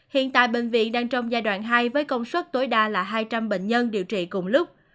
hiện tại bệnh viện đang trong giai đoạn hai với công suất tối đa là hai trăm linh bệnh nhân điều trị cùng lúc